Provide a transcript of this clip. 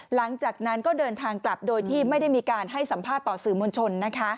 หลังจากนั้นก็เดินทางกลับโดยที่ไม่ได้มีการให้สัมภาษณ์ต่อสื่อมวลชน